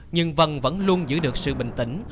nhưng vân vẫn luôn giữ được sự bình tĩnh